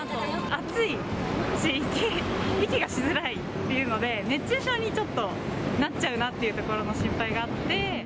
暑いし、息がしづらいっていうので、熱中症にちょっとなっちゃうなというところも心配があって。